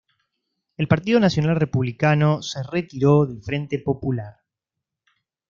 El Partido Nacional Republicano se retiró del Frente Popular.